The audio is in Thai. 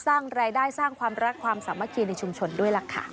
สร้างรายได้สร้างความรักความสามัคคีในชุมชนด้วยล่ะค่ะ